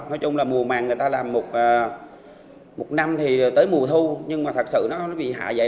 nói chung là mùa màng người ta làm một năm thì tới mùa thu nhưng mà thật sự nó bị hạ vậy